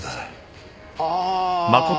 ああ。